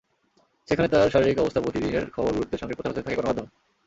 সেখানে তাঁর শারীরিক অবস্থার প্রতিদিনের খবর গুরুত্বের সঙ্গে প্রচার হতে থাকে গণমাধ্যম।